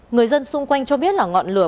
người dân xung quanh cho biết là ngọn lửa